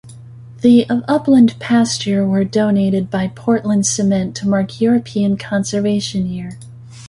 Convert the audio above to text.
The of upland pasture were donated by Portland Cement to mark European Conservation Year.